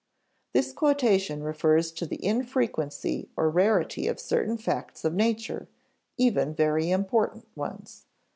This quotation refers to the infrequency or rarity of certain facts of nature, even very important ones.